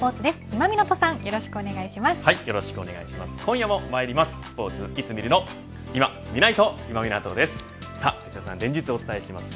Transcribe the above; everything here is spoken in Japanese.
今夜もまいります。